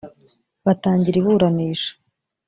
batangira iburanisha